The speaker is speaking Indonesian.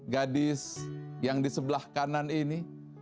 gadis yang di sebelah kanan ini